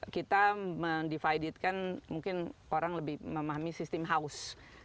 kita mendivided kan mungkin orang lebih memahami sistem haus